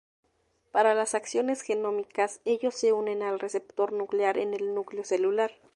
Para las acciones genómicas, ellos se unen al receptor nuclear en el núcleo celular.